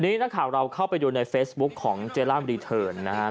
นักข่าวเราเข้าไปดูในเฟซบุ๊คของเจล่ามรีเทิร์นนะครับ